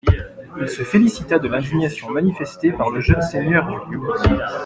Il se félicita de l'indignation manifestée par le jeune seigneur du lieu.